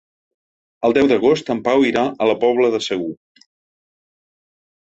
El deu d'agost en Pau irà a la Pobla de Segur.